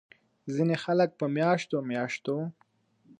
ځينې خلک پۀ مياشتو مياشتو